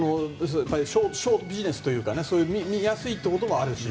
ショービジネスというか見やすいのもあるし。